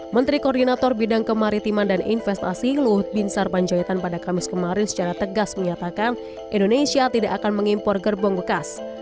menteri koordinator bidang kemaritiman dan investasi luhut binsar panjaitan pada kamis kemarin secara tegas menyatakan indonesia tidak akan mengimpor gerbong bekas